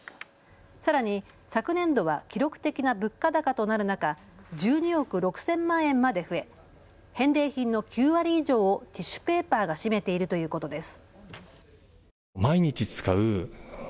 さらに昨年度は記録的な物価高となる中、１２億６０００万円まで増え、返礼品の９割以上をティッシュペーパーが占めているということです。